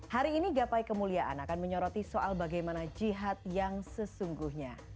hari ini gapai kemuliaan akan menyoroti soal bagaimana jihad yang sesungguhnya